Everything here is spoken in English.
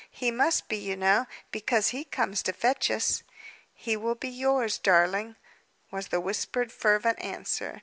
He must be, you know, because He comes to fetch us." "He will be yours, darling," was the whispered, fervent answer.